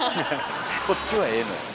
そっちはええのよ。